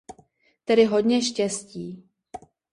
Tedy hodně štěstí.